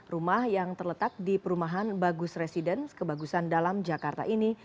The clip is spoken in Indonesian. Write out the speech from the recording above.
rumah yang terletak di perumahan bagus residence kebagusan dalam jakarta ini